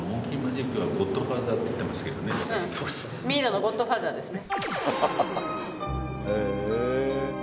みんなのゴッドファーザーですね。